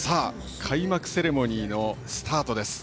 開幕セレモニーのスタートです。